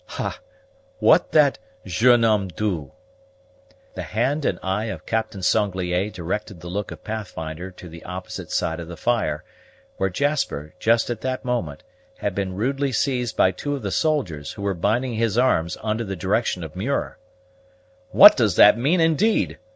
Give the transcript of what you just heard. ha! what that jeune homme do?" The hand and eye of Captain Sanglier directed the look of Pathfinder to the opposite side of the fire, where Jasper, just at that moment, had been rudely seized by two of the soldiers, who were binding his arms under the direction of Muir. "What does that mean, indeed?"